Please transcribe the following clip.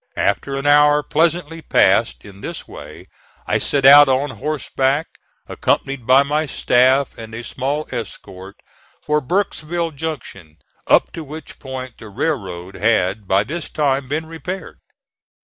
After an hour pleasantly passed in this way I set out on horseback, accompanied by my staff and a small escort, for Burkesville Junction, up to which point the railroad had by this time been repaired.